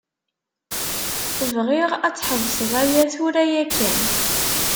Bɣiɣ ad tḥebseḍ aya tura yakan.